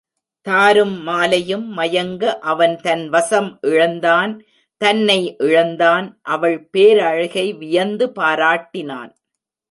தாரும் மாலையும் மயங்க அவன் தன் வசம் இழந்தான் தன்னை இழந்தான் அவள் பேரழகை வியந்து பாராட்டினான்.